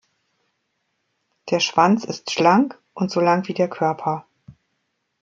Der Schwanz ist schlank und so lang wie der Körper.